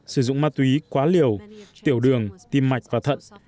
sử dụng ma túy quá liều tiểu đường tim mạch và thận